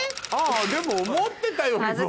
あでも思ってたよりも。